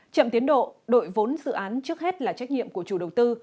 chậm tiến độ đội vốn dự án trước hết là trách nhiệm của chủ đầu tư